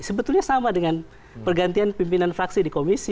sebetulnya sama dengan pergantian pimpinan fraksi di komisi